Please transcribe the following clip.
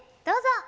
どうぞ。